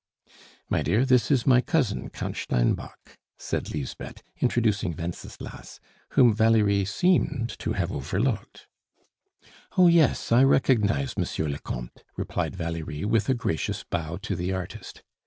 "My dear, this is my cousin, Count Steinbock," said Lisbeth, introducing Wenceslas, whom Valerie seemed to have overlooked. "Oh yes, I recognized Monsieur le Comte," replied Valerie with a gracious bow to the artist.